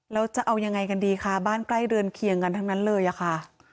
แล้วจะเอายังไงกันดีคะบ้านใกล้เรือนเคียงกันทั้งนั้นเลยอะค่ะ